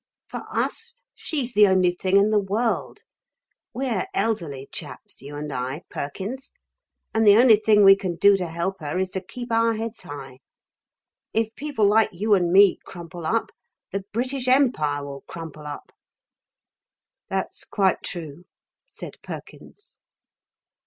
For us, she's the only thing in the world. We're elderly chaps, you and I, Perkins, and the only thing we can do to help her is to keep our heads high. If people like you and me crumple up, the British Empire will crumple up." "That's quite true," said Perkins.